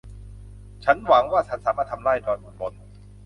ฉันหวังว่าฉันสามารถทำได้ หล่อนบ่น